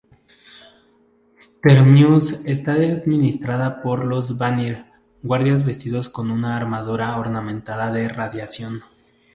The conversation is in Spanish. Terminus está administrada por los Vanir, guardias vestidos con una armadura ornamentada de radiación.